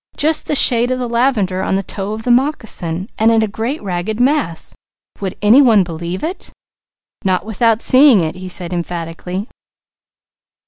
"Just the shade of the lavender on the toe of the moccasin and in a great ragged mass! Would any one believe it?" "Not without seeing it," he said emphatically.